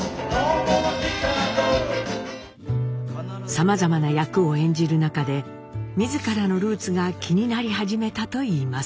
さまざまな役を演じる中で自らのルーツが気になり始めたと言います。